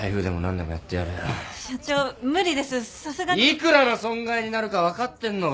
幾らの損害になるか分かってんのか？